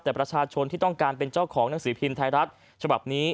แต่ประชาชนที่ต้องการเป็นเจ้าของหนังสือพิมพ์ไทยรัฐฉบับนี้